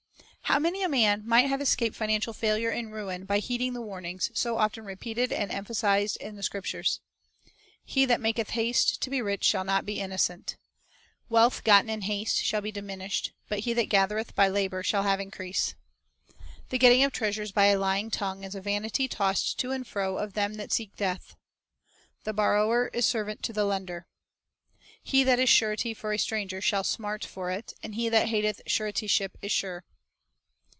3 How many a man might have escaped financial failure and ruin by heeding the warnings, so often repeated and emphasized in the Scriptures: —" He that maketh haste to be rich shall not be innocent." 4 "Wealth gotten in haste shall be diminished; but he that gathereth by labor shall have increase.'" "The getting of treasures by a lying tongue is a . vanity tossed to and fro of them that seek death." "The borrower is servant to the lender." 6 " He that is surety for a stranger shall smart for it; and he that hateth suretyship is sure."